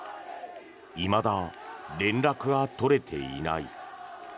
いまだ連絡が取れていない。